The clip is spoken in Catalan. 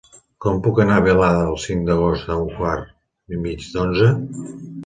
Com puc anar a Vilada el cinc d'agost a un quart i mig d'onze?